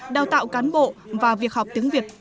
đào tạo cán bộ và việc học tiếng việt